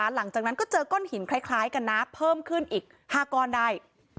หลังจากนั้นก็เจอก้อนหินคล้ายกันนะเพิ่มขึ้นอีก๕ก้อนได้